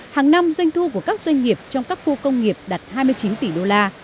hàng năm doanh thu của các doanh nghiệp trong các khu công nghiệp đạt hai mươi chín tỷ đô la